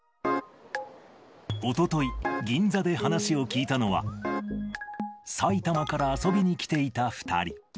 おととい、銀座で話を聞いたのは、埼玉から遊びに来ていた２人。